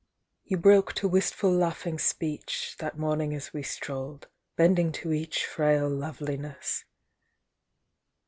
you broke to wistful laughing speech, That morning as we strolled, bending to each Frail loveliness.